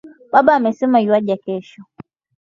Baba amesema yuaja kesho